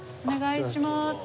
お願いします。